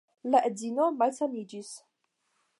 La edzino malsaniĝis.